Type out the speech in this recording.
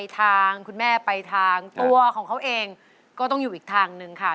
ทางคุณแม่ไปทางตัวของเขาเองก็ต้องอยู่อีกทางหนึ่งค่ะ